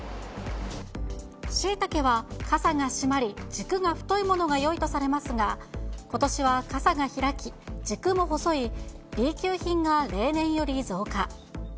シイタケはかさがしまり、軸が太いものがよいとされますが、ことしはかさが開き、軸も細いＢ級品が例年より増加。